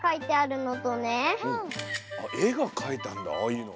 あっえがかいてあるんだああいうの。